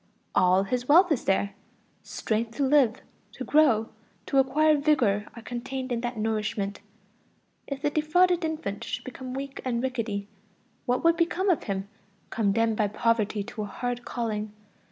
All his wealth is there: strength to live, to grow, to acquire vigor are contained in that nourishment. If the defrauded infant should become weak and rickety, what would become of him, condemned by poverty to a hard calling?